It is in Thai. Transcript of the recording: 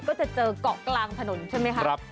ก็จะเจอเกาะกลางถนนใช่ไหมครับ